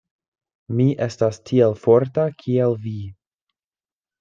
Mi estas tiel forta, kiel vi.